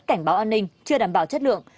cảnh báo an ninh chưa đảm bảo chất lượng